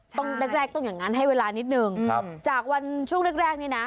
แรกแรกต้องอย่างนั้นให้เวลานิดนึงครับจากวันช่วงแรกแรกนี่นะ